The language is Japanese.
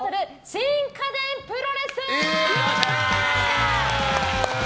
新家電プロレス。